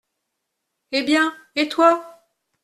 Eh bien ! et toi ?